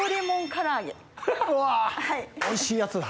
うわぁおいしいやつだ。